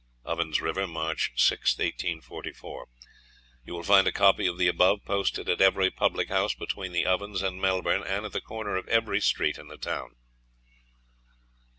"Ovens River, March 6th, 1844. "You will find a copy of the above posted at every public house between the Ovens and Melbourne, and at the corner of every street in the town."